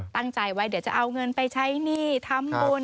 ตั้งใจไว้เดี๋ยวจะเอาเงินไปใช้หนี้ทำบุญ